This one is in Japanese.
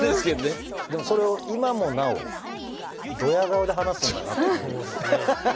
でもそれを今もなおドヤ顔で話すんだなっていう。